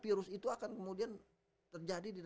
virus itu akan kemudian terjadi